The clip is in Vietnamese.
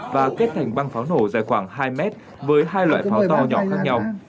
và kết thành băng pháo nổ dài khoảng hai mét với hai loại pháo to nhỏ khác nhau